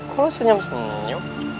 kok lu senyum senyum